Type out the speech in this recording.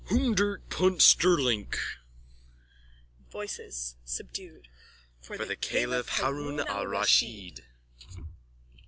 _ Hoondert punt sterlink. VOICES: (Subdued.) For the Caliph. Haroun Al Raschid.